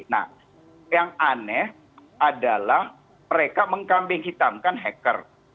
nah yang aneh adalah mereka mengkambing hitam kan hacker